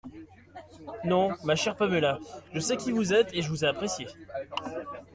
Non, ma chère Paméla… je sais qui vous êtes, et je vous ai appréciée…